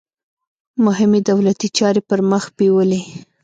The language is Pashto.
مهمې دولتي چارې پرمخ بیولې.